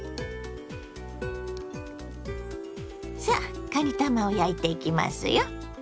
さあかにたまを焼いていきますよ。